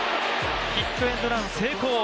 ヒットエンドラン成功。